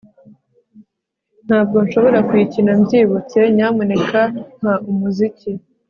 ntabwo nshobora kuyikina mbyibutse. nyamuneka mpa umuziki